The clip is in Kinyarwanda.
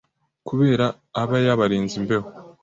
kubera aba yabarinze imbeho,